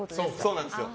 そうなんですよ。